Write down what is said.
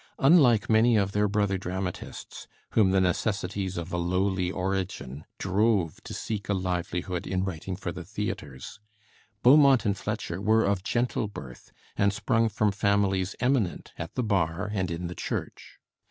Unlike many of their brother dramatists, whom the necessities of a lowly origin drove to seek a livelihood in writing for the theatres, Beaumont and Fletcher were of gentle birth, and sprung from families eminent at the bar and in the Church.